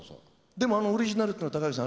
でもあのオリジナルっていうの堯之さん